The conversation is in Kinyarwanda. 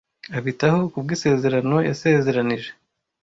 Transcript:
abitaho ku bw isezerano yasezeranije